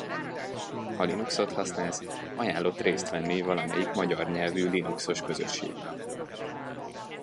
Ha Linuxot használsz, ajánlott részt venni valamelyik magyar nyelvű Linuxos közösségben.